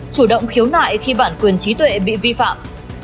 chủ động khiếu nại khi bản quyền trí tuệ bị vi phạm